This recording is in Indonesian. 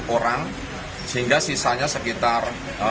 empat puluh orang sehingga sisanya sekitar dua puluh lima